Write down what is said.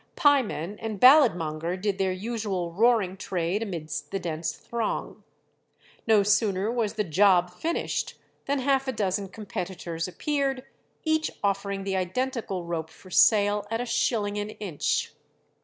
Pieman and ballad monger did their usual roaring trade amidst the dense throng. No sooner was the "job" finished than half a dozen competitors appeared, each offering the identical rope for sale at a shilling an inch.